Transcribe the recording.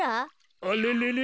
あれれれ？